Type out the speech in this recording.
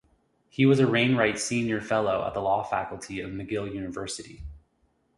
He was a Wainwright Senior Fellow at the Law Faculty of McGill University.